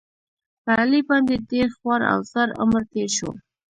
په علي باندې ډېر خوار او زار عمر تېر شو.